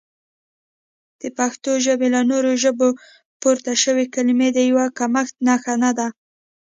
د پښتو ژبې له نورو ژبو پورشوي کلمې د یو کمښت نښه نه ده